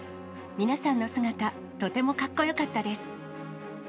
皆さんの姿、とてもかっこよかったです。